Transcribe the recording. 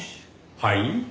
はい？